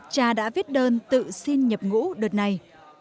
cha đã viết đơn tự xin nhập ngũ đợt này